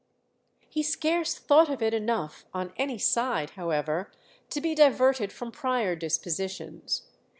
He scarce thought of it enough, on any side, however, to be diverted from prior dispositions.